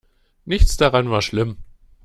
Nichts daran war schlimm.